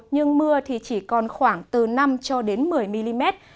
nhưng mưa thì chỉ còn khoảng từ năm cho đến một mươi mm